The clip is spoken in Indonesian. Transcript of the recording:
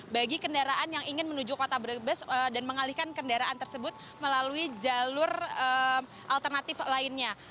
bagi kendaraan yang ingin menuju kota brebes dan mengalihkan kendaraan tersebut melalui jalur alternatif lainnya